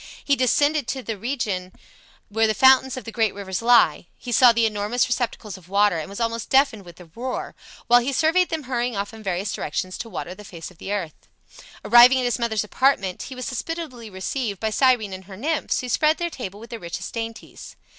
He descended to the region where the fountains of the great rivers lie; he saw the enormous receptacles of waters and was almost deafened with the roar, while he surveyed them hurrying off in various directions to water the face of the earth. Arriving at his mother's apartment, he was hospitably received by Cyrene and her nymphs, who spread their table with the richest dainties.